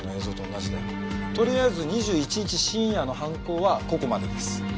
とりあえず２１日深夜の犯行はここまでです。